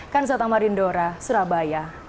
kan sata marindora surabaya